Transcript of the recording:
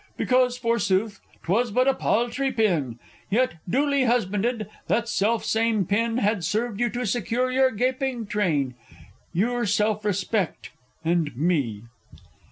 Because, forsooth, 'twas but a paltry pin! Yet, duly husbanded, that self same pin Had served you to secure your gaping train, Your self respect and Me.